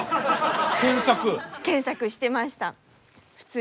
検索してました。